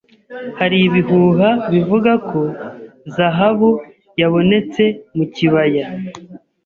Hari ibihuha bivuga ko zahabu yabonetse mu kibaya.